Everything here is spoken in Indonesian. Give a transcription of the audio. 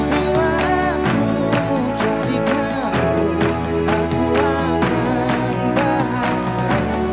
bila aku jadi kamu aku akan bahagia